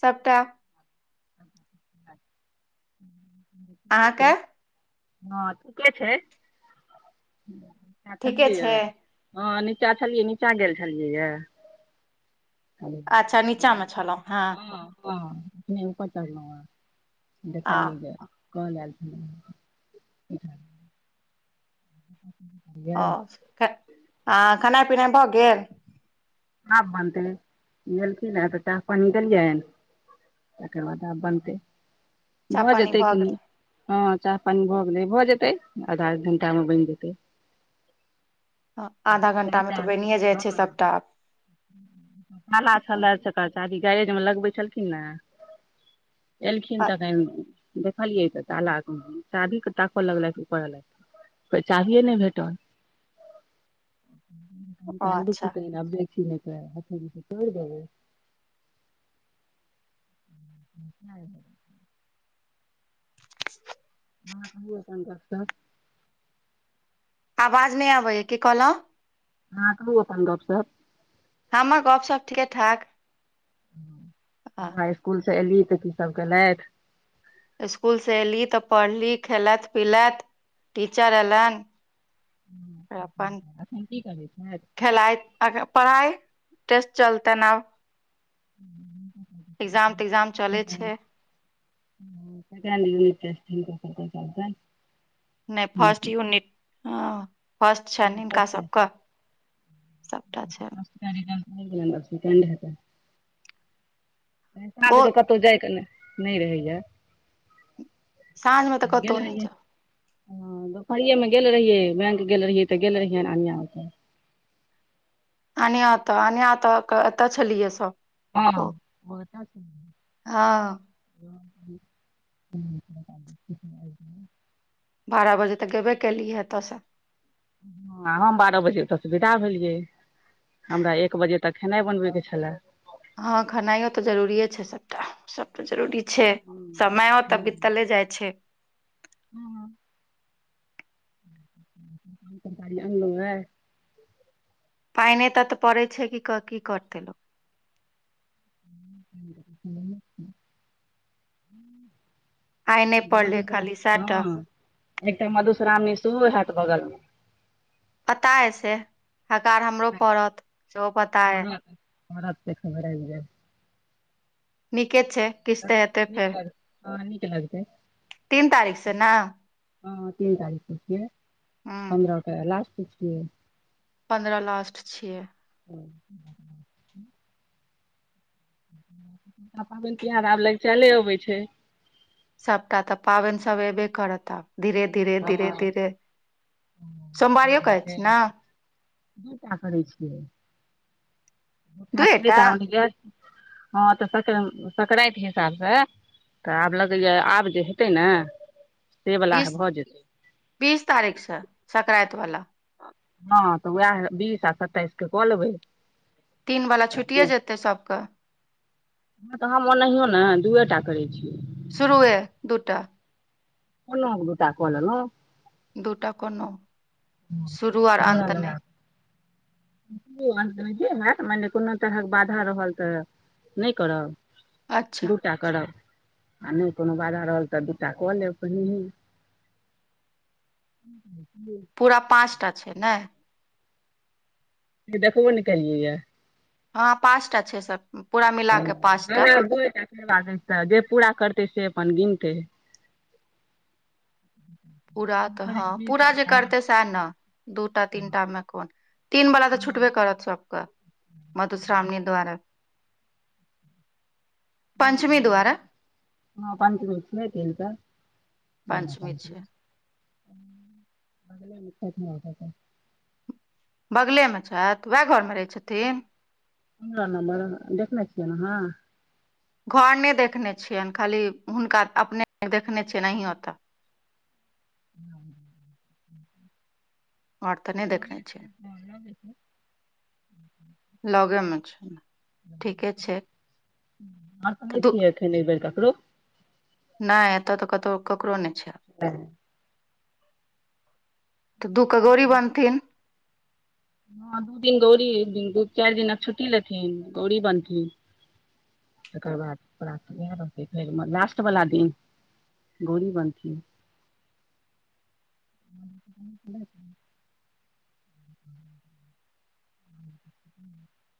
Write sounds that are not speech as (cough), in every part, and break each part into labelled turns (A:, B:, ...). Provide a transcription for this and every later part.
A: सबटा
B: (inaudible)
A: अहाँके
B: हँ ठीके छै
A: ठीके
B: छलियै
A: छै
B: हँ नीचा छलियै नीचा गेल छलियै य
A: अच्छा नीचा मे छलहुँ हँ
B: वने ऊपर चढ़लहु ह
A: आ
B: देखलियए कोल एल छली ह
A: ओ आ खेनाइ पिनाइ भऽ गेल
B: आब बनते नहेलखीन तऽ चाह पनि दलिय ने तकर बाद आब बनतै
A: चाह
B: भऽ
A: पानी
B: जेतै कि
A: गेल
B: नहि हँ चाह पानि भऽ गेलै भऽ जेतै आधा घंटा मे बनि जेतै
A: आधा घंटा मे तऽ
B: हँ
A: बनिेए जाइ छै सबटा आ
B: खाना छलए चारचक्का गरेज मे लगबै छलखिन ने एलखिन तखन देखलियै तऽ तालाक शादी के ताकऽ लगलथि ओ करलक को चाभीए नहि भेटल
A: ओ
B: निकाल
A: अच्छा
B: देतीए नहि ह कर जाबै नै (unintelligible)
A: आवाज नहि आबैया की कहलहु
B: अहा कहुं अपन गप सब
A: ह हमर गप सप ठीके ठाक
B: ह स्कूल से एली तऽ की सभ कैलथ
A: स्कूल से एऐली तऽ पढ़ली खेलत पिलत टीचर ऐलन अपन
B: एखन की करै छथि
A: खेलाएत अ पढ़ाइ टेस्ट चलते आब
B: ह
A: इज़ाम तग्जाम चलै छै
B: त क कर (unintelligible)
A: नहि फर्स्ट यूनिट हा फर्स्ट छैन हिनका
B: फर्स्ट
A: सबके सबटा छैन
B: काज
A: बहुत
B: (unintelligible) जाय क नहि रहै य
A: साँझमे तऽ कतहु नहि जाउ
B: हँ दुपहरिए मे गेल रहियै बैंक गेल रहियै तऽ गेल रहियै कनियाँ ओतऽ
A: अनियाँ ओतऽ अनियाँ ओतऽ एतऽ छलियै सभ हँ
B: ह (unintelligible)
A: बारह बजे तऽ गेबे केलियै एतऽ से
B: ह हम बारह बजे एतऽ से विदा भेलियै हमरा एक बजे तक खेनाइ बनबै के छलै
A: हँ खेनाइयो तऽ जरूरी छै सभटा सभ तऽ जरूरी छै समयौ तऽ
B: हूँ
A: बितलै जाइ छै
B: हुँ (unintelligible) (unintelligible)
A: पाइने तऽ एतऽ पड़ै छै कि की करतै लोक
B: (unintelligible)
A: आइ नहि पड़ले
B: मधुश्रा
A: खाली सैह टा
B: हँ एकटा मधुश्रावणी सेहो हैत बगल मे
A: पता है से हकार हमरो पड़त सेहो पता यै
B: करत (unintelligible)
A: नीके छै किछु तऽ हेतै
B: नीक
A: फेर
B: लग हा नीक लगतै
A: तीन तारीख से ने
B: ह तीन तारीख के छियै
A: हूँ
B: पन्द्रह के लास्ट छियै
A: पन्द्रह लास्ट छियै
B: (unintelligible) आब पाबैन तिहार आब लगचैले आबै छै
A: सभटा तऽ पाबैन सब अयबे करत आब धीरे धीरे धीरे
B: हँ
A: धीरे सोमवारियो करै छी ने दूएटा
B: (unintelligible) हँ तऽ सकरैंत हिसाब सँ तऽ आब लगैया आब जे हेतै ने से वला
A: बीस
B: भऽ जेतै
A: बीस तारीखसँ संक्रान्ति वाला
B: हँ तऽ उएह बीस आ सत्तइस के कऽ लेबै
A: तीन बला छुटिए
B: हँ
A: जेतै सभके
B: हँ तऽ हम ओनाहियो ने दूए टा करै छी
A: शुरूए दूटा
B: कोनो दू टा कऽ लेलौं
A: दूटा कोनो शुरू आर अन्त नहि
B: शुरू आ अन्त नहि मानि लिअ कोनो तरहक बाधा रहल तऽ नहि करब
A: अच्छा
B: दूटा करब आ नहि कोनो बाधा रहल तऽ दूटा कऽ लेब पहिनहिए (unintelligible)
A: पूरा पाँच टा छै नहि
B: देखबो नै केलियै यै
A: हँ पाँच टा छै सब पूरा मिला के पाँचटा
B: दूए टा जे पूरा करतै से अपन गिनतै
A: पूरा तऽ हँ
B: छी
A: पूरा जे
B: सभके
A: करतै सैह ने दूटा तीनटा मे कोन तीन बला तऽ छुटबे करत सबके मधुश्रावणी दुआरे पंचमी दुआरे
B: (unintelligible)
A: पञ्चमी छियै
B: (unintelligible)
A: बगलेमे छैथ उएह घरमे रहै छथिन
B: पन्द्रह नम्बर देखने छियै अहाँ
A: घर नहि देखने छियनि खाली हुनका अपने देखने छियनि नहि ओतऽ
B: हँ
A: घर तऽ
B: नहि
A: देखने
B: बेसै
A: छियनि
B: हँ नहि बे छै ह
A: लगेमेछ ठीके छै
B: हम
A: तऽ
B: सुने
A: दू
B: छियै एखन एक बेर ककरो
A: नहि एतऽ तऽ कतहु ककरो नहि छै
B: ह
A: तऽ दू क गोरी बनथिन
B: हँ दू दिन गौरी एक दिन चारि दिनक छुट्टी लेथिन गौरी बनथिन तकर बाद प्राप वएह रहतै फेर लास्ट बला दिन गौरी बानथिन (inaudible) ह (inaudible) (inaudible)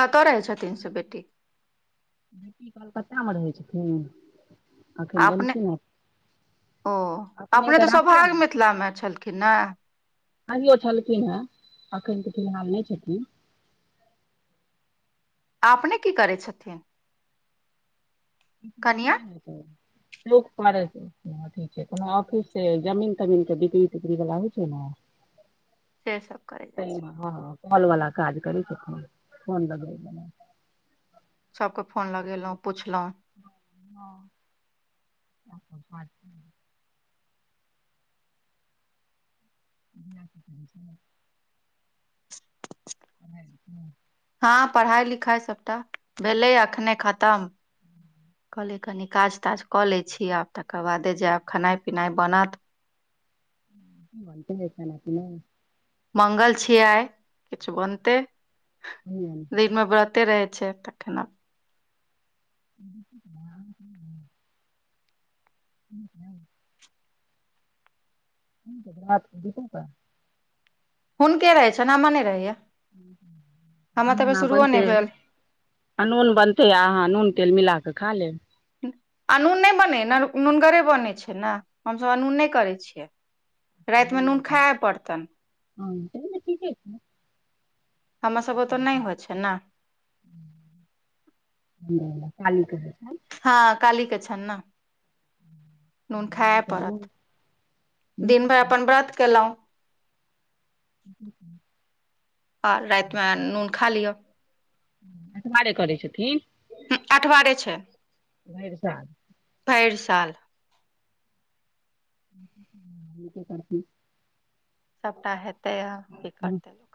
A: कतऽ रहै छथिन से बेटी
B: बेटी कलकत्तामे रहै छथिन अखन
A: अपने
B: एलखिन हेँ
A: ओ अपने तऽ सौभाग्य मिथिलामे छलखिन ने
B: अभियो छललकिन ह अखन नहि छटनी
A: अपने की करै छथिन कनिया
B: नहि नहि लोक फार छै थ छै कोनो ऑफिस से जमीन तमीन के बिक्री तिक्री वला होइ छै ने
A: से सब कर जाइ छै
B: ताहिमे हँ कॉल वाला काज करी सुकना फोन बग
A: सबके फोन लगेलहुँं पुछलहुँ
B: हँ अचछ (inaudible)
A: (inaudible)
B: ह ह (unintelligible)
A: हँ पढ़ाई लिखाई सबटा भेलै अखने खतम कहलियी कनि काज ताज कऽ लै छी आब तकर बादे जायब खेनाइ पिनाइ बनत
B: घनटस कि ने
A: मंगल छियै आइ किछु बनते
B: हूँ
A: दिनमे व्रते रहै छै तखन आब
B: (inaudible) ह त रात (unintelligible)
A: हुनके रहै छन हमर नहि रहैय
B: बनूना बनते
A: भेल
B: आ नून बनतै अहाँ नून तेल मिल कऽ खा लेब
A: अनून नहि बनै नुनगरे बनै छै ने हमसभ अनून नहि करै छियै रातिमे नून खाय पड़तनि
B: हँ च ने ठीके
A: हममे सभ तऽ नहि हो छै ने
B: चालू करै छ
A: हँ कालिक छान ने नन
B: दिल्ली
A: खाय
B: सँ अनलहुँ
A: परत
B: नीके
A: दिनभर अपन व्रत कलहुँ
B: जी
A: आओर रातिमे नून खा लिअ
B: अठवारे करै छथिन
A: अठवारे छै
B: भैरसाल
A: भैर साल
B: त करती
A: सबटा हेते य क करते लोक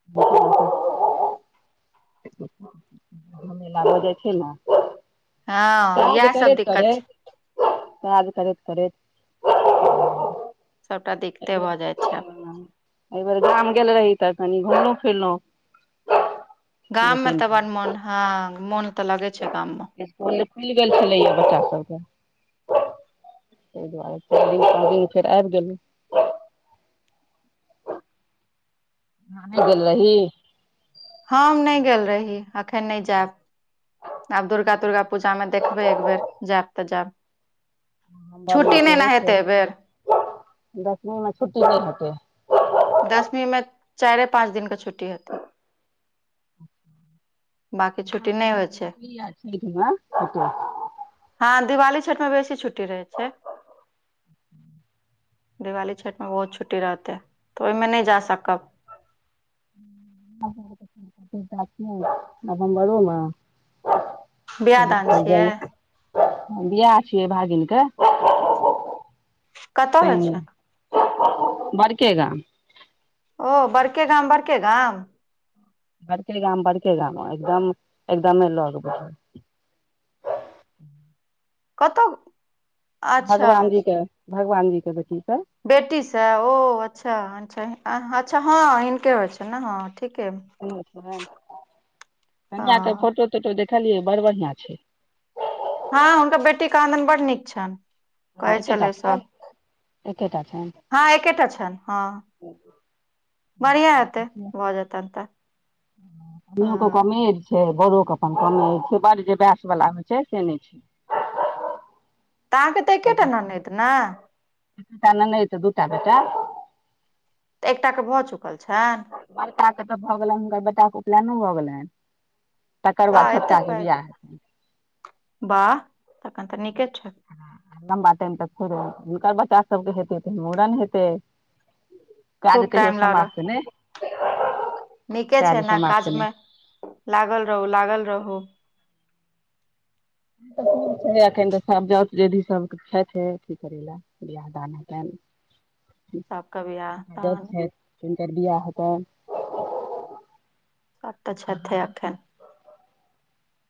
B: (unintelligible)
A: हँ
B: काज
A: याह सब
B: करैत
A: दिक्कत
B: करैत
A: छै
B: काज करैत करैत
A: सभटा दिक्कते भऽ जाइ छै
B: एहि बेर गाम गेल रहि तऽ कनी घुमलो फिरलहु
A: गाम में तऽ बड़ मन हँ मोन तऽ लगे छै गाम मे
B: स्कुल खुलि गेल छलैए बच्चा सबके ताहि दुआरे चारि दिन पाँच दिन फेर आबि गेलहुँ न गेल रही
A: हम नहि गेल रही एखन नहि जायब आब दुर्गा दुर्गा पूजामे देखबै एक बेर ज‌एब तऽ ज‌एब
B: नवम्बर मे
A: छुट्टी नहि ने
B: सेहो छै
A: हेतै एहि बेर
B: दसमी मे छुट्टी नहि हेतै
A: दसवीं में चारे पाँच दिन का छुट्टी हेतै बाँकी छुट्टी नहि होइ छै
B: दीबाली या छैठमा कत
A: हँ दिवाली छठिमे बेसी छुट्टी रहै छै दिवाली छठमे बहुत छुटी रहतै तऽ ओहिमे नहि जा सकब
B: नवम्बरोमे
A: बियाह
B: ह
A: दान
B: कह
A: छियै
B: जाइ बिआह छियै भागिनके
A: कतऽ होइ छै
B: बड़के गाम
A: ओ बड़के गाम बड़के गाम
B: बड़ के गाम बड़ के गाम एकदम एकदमे लग बैठल।
A: कतह
B: भगवानजी के भगवानजी के बचत।
A: बेटी सँ ओ अच्छा अ अच्छा हँ हिनके होइ छ ने हँ ठीके
B: कनिआ के
A: हँ
B: फोटो तोटो देखलियै बड़ बढ़िआँ छै
A: हँ हुनकर बेटी कहा दिन बड नीक छेन
B: हँ
A: कहै
B: एकेटा
A: छलै
B: छनि
A: सभ
B: एकेटा छनि
A: (inaudible) हँ एकेटा छेन हँ बढ़िआ हेतै भऽ जेतन त
B: कनियोके
A: ह
B: कमे ऐज है बरोे अपन कमे ऐज छै बड जे बैस वला होइ छै से नहि छै
A: तऽ अहाँ के तऽ एकेटा ननैद ने
B: (unintelligible) नहि तऽ दूटा बेटा
A: तऽ एकटाके भऽ चुकल छनि।
B: बड़का के तऽ भऽ गेलनि हुनकर बेटाके उपनयनो भऽ गेलनि। तकर
A: आ
B: बाद छोटका के बिआह हेतै
A: बाह तखन तऽ नीके छै
B: लम्बा टाइम तऽ फे हुनकर बच्चा सबके हेतै तऽ मूड़न हेतै (inaudible) काज
A: खूब
B: कहिओ
A: टाइम लऽ रह
B: समाप्त ने
A: नीके छै ने काज
B: नहि
A: मे लागल रहू लागल रहू
B: एखन तऽ सबत जाउत जेदी सब छैथे की करैले बियाह दान हैतैन
A: सबके बियाह दान
B: (unintelligible)
A: आब तऽ छेथे अखैन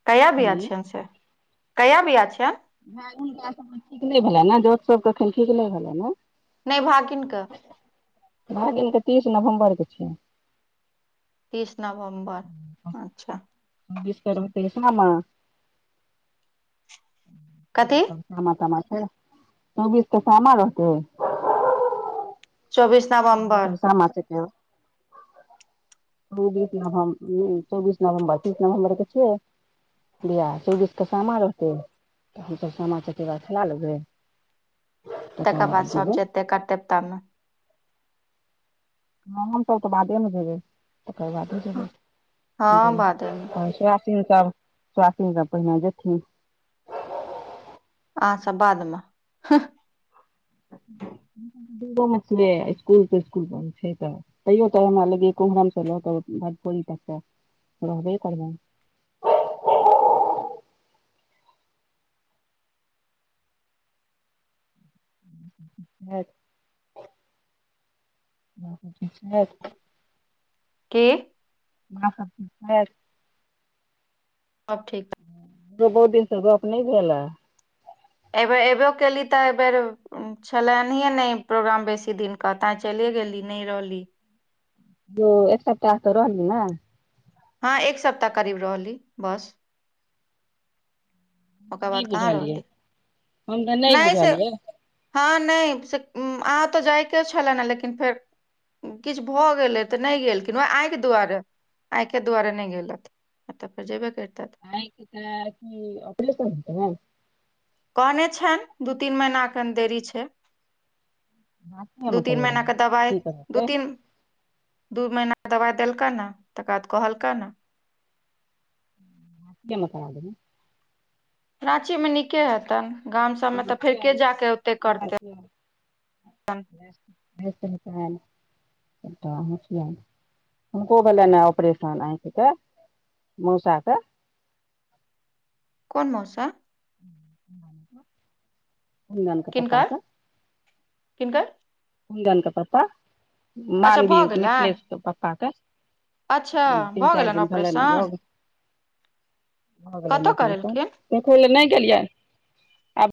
A: कहिया वियाह छैन से (inaudible) कहिया वियाह छैन
B: हुनका सबमे ठीक नहि भेलनि ने दोस्त सब एखन ठीक नहि भेलनि ने
A: नहि भागि किन कऽ
B: भागिन के तीस नभम्बर के छै
A: तीस नवम्बर अच्छ
B: (unintelligible)
A: कथी
B: सामा तामा छै चौबीस तऽ सामा रहतै
A: चौबिस
B: हम सब सामा चकेबा (unintelligible) बियाह चौबीस के सामा रहतै तऽ हमसभ सामा चकेवा खेला लेबे
A: तकर बाद सब जेते करतेबता मे
B: ह हमसभ तऽ बादे‌ मे जेबै तकर बादे जेबै
A: हँ बादेमे
B: (unintelligible) (unintelligible) पहिने जेथिन
A: अहाँ सभ बाद मे
B: (unintelligible) इसकुल तस्कुल बन्द छै तऽ तैयो तऽ हमरा लगियै कुमहरमसँ लऽ कऽ भतभोड़ी तक तऽ रहबे करबैन (unintelligible)
A: की
B: आहा सब (unintelligible) भेर
A: सब ठीक
B: यै बहुत दिन से गप नहि भेल हे
A: अय बेर ऐबो केली तऽ अय बेर छलैनहिए नै प्रोग्राम बेसी दिन कऽ तैऽ च चलै गेली नहि रहली
B: ओ एक सप्ताह त रहलीह नै
A: हँ एक सप्ताह करीब रहली बस ओकर
B: नहि
A: बाद काहाँ
B: बुझलियै
A: रहलै
B: हम तऽ नहि
A: नई से
B: बुझलियै
A: हँ नहि से अहाँ तऽ जाइके छलै ने लेकिन फेर किछु भऽ गेलै तऽ नहि गेलखिन ओ आँखि दुआरे आँखि दुआरे नहि गेलथि आ परजे ब करितैत
B: आखिं के अपलेशन
A: कहने छनि दू तीन महिनाक एखन देरी छै
B: हाथीये मे
A: दू तीन
B: करेबा
A: महिना क दबाइ
B: की करतै
A: दू तीन दू महिना क दबाइ देलक ह तकर बाद कहलक ह
B: मत आ
A: रांची मे नीके हेतन गाम सब
B: अहाँ
A: में तऽ फेर के
B: हसियैन
A: जा केे ओते करतै
B: त ने तनि हुनको भेलनि ने ऑपरेशन आँखि कऽ मौसा क
A: कोन मौसा
B: (unintelligible) के पप्पा
A: किनकर
B: के
A: किनकर
B: कुन्दनके पप्पा
A: अच्छा
B: मानवी
A: भऽ गेलनि
B: मिथिलेशके पप्पाके
A: अच्छा
B: तीन
A: भऽ
B: चारि
A: गेलनि
B: दिन भेलै
A: ऑपरेशन
B: भऽ गेलै
A: कतय
B: नौकरी सब
A: करेलखिन
B: देखै लए नहि गेलियै आब